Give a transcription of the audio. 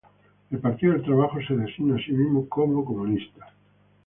El Partido del Trabajo se designa a sí mismo como comunista.